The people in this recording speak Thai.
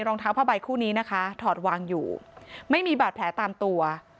รองเท้าผ้าใบคู่นี้นะคะถอดวางอยู่ไม่มีบาดแผลตามตัว